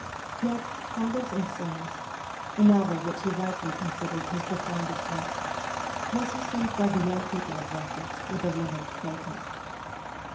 Yet ' Fathers and Sons ' a novel which he rightly considered his pro foundest work was received by the young people of Russia with a loud protest.